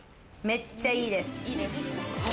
めっちゃいいです。